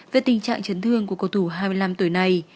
về tình trạng chấn thương của cầu thủ hai mươi năm tuổi này